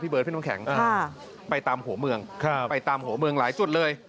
เบิร์ดพี่น้ำแข็งไปตามหัวเมืองไปตามหัวเมืองหลายจุดเลย